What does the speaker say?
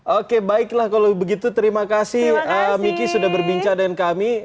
oke baiklah kalau begitu terima kasih miki sudah berbincang dengan kami